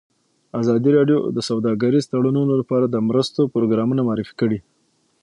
ازادي راډیو د سوداګریز تړونونه لپاره د مرستو پروګرامونه معرفي کړي.